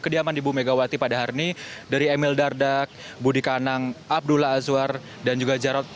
kediaman ibu megawati pada hari ini dari emil dardak budi kanang abdullah azwar dan juga jarod